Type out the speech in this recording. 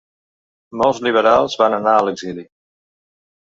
Molts liberals van anar a l'exili.